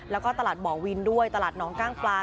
และตลาดบวินด้วยตลาดน้องก้างฟลา